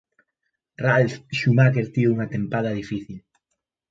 Ralf Schumacher tivo unha tempada difícil.